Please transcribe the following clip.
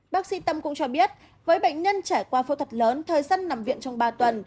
bác sĩ tâm cũng cho biết với bệnh nhân trải qua phẫu thuật lớn thời gian nằm viện trong ba tuần